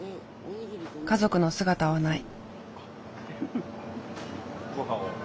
家族の姿はない。